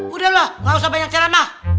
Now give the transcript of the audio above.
udah lah gak usah banyak cerana